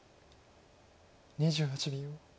２８秒。